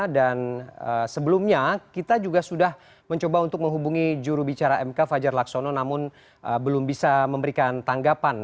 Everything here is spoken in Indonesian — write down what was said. dan sebelumnya kita juga sudah mencoba untuk menghubungi juru bicara mk fajar laksono namun belum bisa memberikan tanggapan